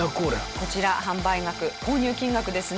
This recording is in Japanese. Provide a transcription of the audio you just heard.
こちら販売額購入金額ですね。